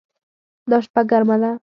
دا شپه ګرمه ده